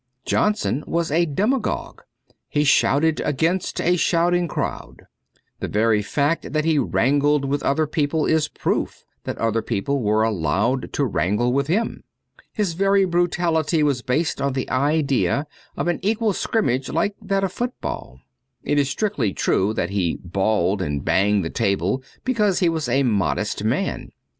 Johnson was a demagogue, he shouted against a shouting crowd. The very fact that he wrangled with other people is a proof that other people were allowed to wrangle with him. His very brutality was based on the idea of an equal scrimmage like that of football. It is strictly true that he bawled and banged the table because he was a modest man.